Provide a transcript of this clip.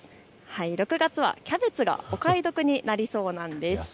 ６月はキャベツがお買い得になりそうなんです。